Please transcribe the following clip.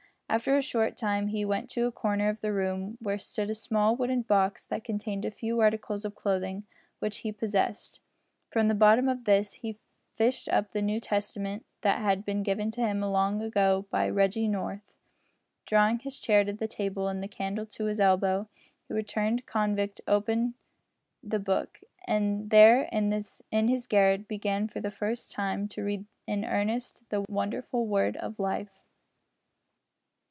After a short time he went to a corner of the room where stood a small wooden box that contained the few articles of clothing which he possessed. From the bottom of this he fished up the New Testament that had been given to him long ago by Reggie North. Drawing his chair to the table and the candle to his elbow, the returned convict opened the Book, and there in his garret began for the first time to read in earnest the wonderful Word of Life!